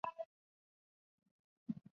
辖境相当今陕西省蓝田县一带。